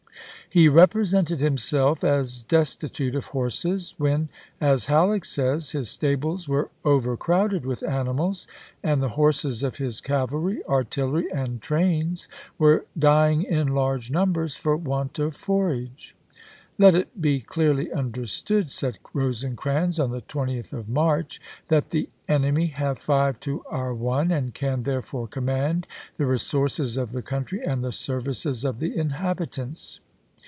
He represented himself as destitute of horses when, as Halleck says, his stables were over i2portfer crowded with animals and the horses of his Vol." XXX.; cavalry, artillery, and trains were dying in large p 37." numbers for want of forage. " Let it be clearly 1863. ^ understood," said Rosecrans on the 20th of March, Campaign, "that the cucmy have five to our one and can, Scondurt therefore, command the resources of the coun ^^ ^ises^*^^' try and the services of the inhabitants."